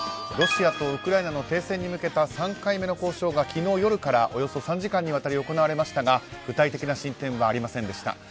ロシアとウクライナの停戦に向けた３回目の交渉が昨日夜からおよそ３時間にわたり行われましたが具体的な進展はありませんでした。